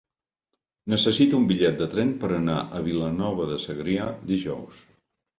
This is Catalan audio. Necessito un bitllet de tren per anar a Vilanova de Segrià dijous.